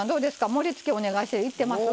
盛りつけお願いしていってます？